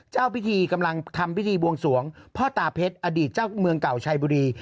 เจ้าพิธีกำลังทำพิธีบวงสวงพ่อตาเพชรอดีตเจ้าเมืองเก่าชัยบุรี